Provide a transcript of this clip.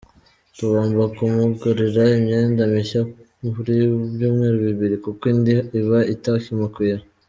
Tugomba kumugurira imyenda mishya buri byumweru bibiri kuko indi iba itakimukwira.